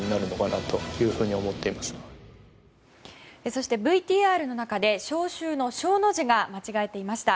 そして、ＶＴＲの中で招集の招の字が間違っておりました。